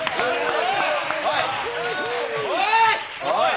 おい！